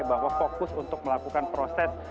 bahwa fokus untuk melakukan proses